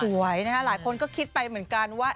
หลายคนก็คิดไปเหมือนกันว่า